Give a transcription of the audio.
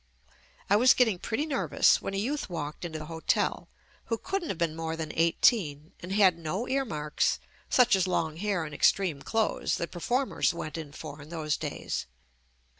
I was getting pretty nervous when a youth walked into the hotel, who couldn't have been more than eighteen and had no ear marks, such as long hair and extreme clothes that per formers went in for in those days.